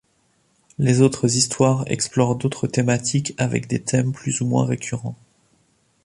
Les autres histoires explorent d'autres thématiques, avec des thèmes plus ou moins récurrents.